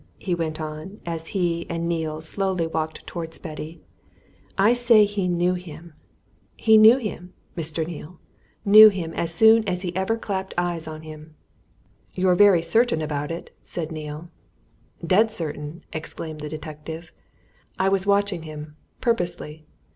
he went on, as he and Neale slowly walked towards Betty. "I say he knew him! knew him, Mr. Neale, knew him! as soon as ever he clapped his eyes on him!" "You're very certain about it," said Neale. "Dead certain!" exclaimed the detective. "I was watching him purposely.